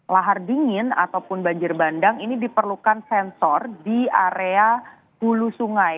lahar dingin ataupun banjir bandang ini diperlukan sensor di area hulu sungai